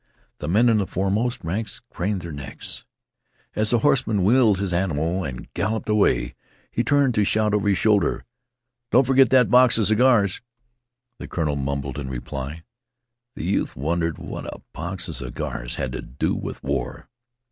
The men in the foremost ranks craned their necks. As the horseman wheeled his animal and galloped away he turned to shout over his shoulder, "Don't forget that box of cigars!" The colonel mumbled in reply. The youth wondered what a box of cigars had to do with war.